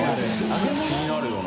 気になるよな。